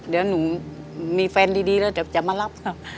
เดี๋ยวหนูมีแฟนดีแล้วจะมารับค่ะ